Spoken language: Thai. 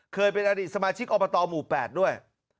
เคยเป็นอดีตสมาชิกอบตหมู่๘ด้วย